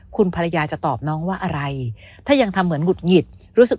คุณภรรยาจะตอบน้องว่าอะไรถ้ายังทำเหมือนหงุดหงิดรู้สึก